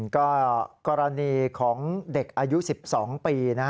ก็กรณีของเด็กอายุ๑๒ปี